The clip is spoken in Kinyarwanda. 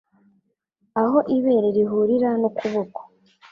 aho ibere rihurira n'ukuboko